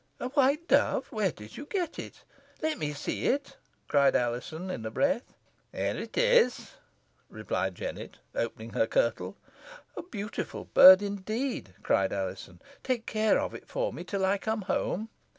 "A white dove! Where did you get it? Let me see it," cried Alizon, in a breath. "Here it is," replied Jennet, opening her kirtle. "A beautiful bird, indeed," cried Alizon. "Take care of it for me till I come home."